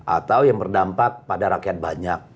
atau yang berdampak pada rakyat banyak